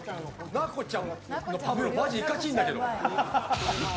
奈子ちゃんのパブロ、マジいかちぃんだけど。